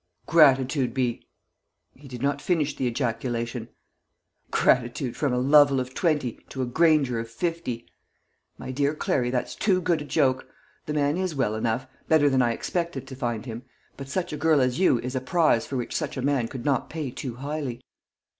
"Gratitude be !" He did not finish the ejaculation. "Gratitude from a Lovel of twenty to a Granger of fifty! My dear Clary, that's too good a joke! The man is well enough better than I expected to find him: but such a girl as you is a prize for which such a man could not pay too highly."